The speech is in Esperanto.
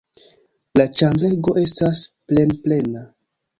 La ĉambrego estas plenplena.